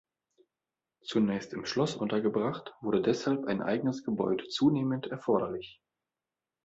Zunächst im Schloss untergebracht, wurde deshalb ein eigenes Gebäude zunehmend erforderlich.